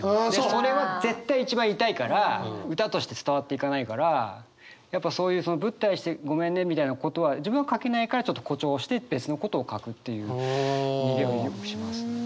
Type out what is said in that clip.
それは絶対一番痛いから歌として伝わっていかないからやっぱそういう「ぶったりしてごめんね」みたいなことは自分は書けないからちょっと誇張して別のことを書くっていう逃げはよくしますね。